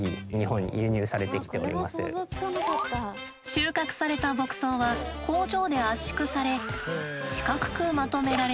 収穫された牧草は工場で圧縮され四角くまとめられます。